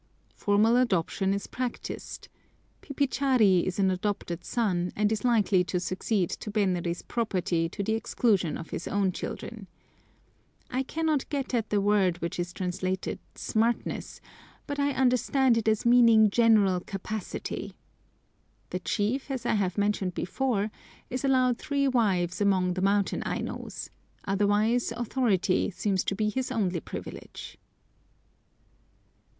Formal adoption is practised. Pipichari is an adopted son, and is likely to succeed to Benri's property to the exclusion of his own children. I cannot get at the word which is translated "smartness," but I understand it as meaning general capacity. The chief, as I have mentioned before, is allowed three wives among the mountain Ainos, otherwise authority seems to be his only privilege.